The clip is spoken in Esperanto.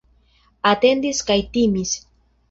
Atendis kaj timis.